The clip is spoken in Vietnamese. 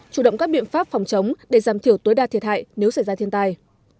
chủ động các biện pháp phòng chống để giảm thiểu tối đa thiệt hại nếu xảy ra thiên tai